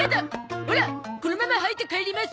オラこのまま履いて帰ります。